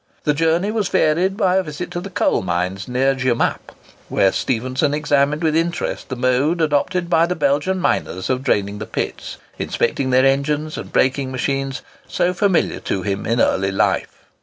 The journey was varied by a visit to the coal mines near Jemappe, where Stephenson examined with interest the mode adopted by the Belgian miners of draining the pits, inspecting their engines and brakeing machines, so familiar to him in early life.